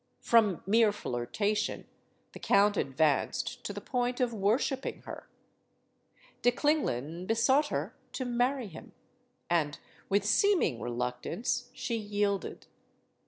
From mere flirtation, the count advanced to the point of worshiping her. De Klinglin besought her to marry him. And with seeming reluctance, she yielded.